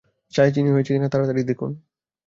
চায়ে চিনি হয়েছে কি না তাড়াতাড়ি দেখুন।